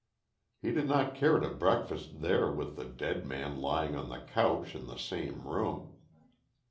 He did not care to breakfast there with the dead man lying on the couch in the same room.